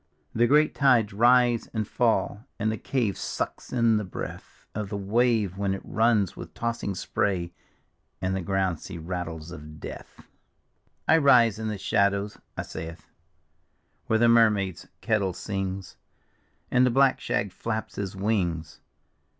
The great tides rise and fall, and the cave sucks in the breath Of the wave when it runs with tossing spray, and the ground sea rattles of Death; D,gt,, erihyGOOgle 1 86 The Haunted Hour " I rise in the shallows," 'a saith, "Where the mermaid's kettle sings, And the black stizg flaps his wings!